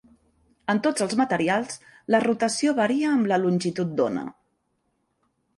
En tots els materials, la rotació varia amb la longitud d'ona.